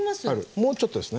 もうちょっとですね。